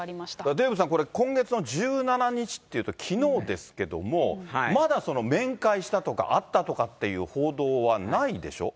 デーブさん、これ、今月の１７日っていうときのうですけども、まだ面会したとか、会ったとかっていう報道はないんでしょ？